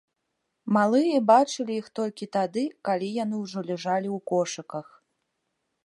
Малыя бачылі іх толькі тады, калі яны ўжо ляжалі ў кошыках.